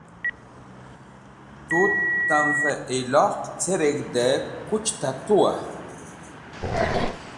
Tut tamvẽ iyloq ce reg̃hdẽ kuch ta tuwa?